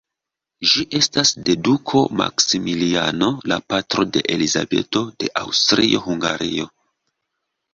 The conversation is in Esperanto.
Ĝi estas de duko Maksimiliano, la patro de Elizabeto de Aŭstrio-Hungario.